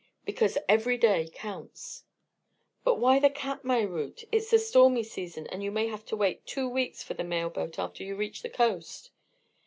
"Because every day counts." "But why the Katmai route? It's the stormy season, and you may have to wait two weeks for the mail boat after you reach the coast."